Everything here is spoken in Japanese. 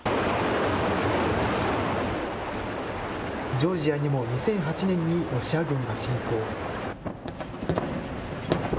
ジョージアにも２００８年にロシア軍が侵攻。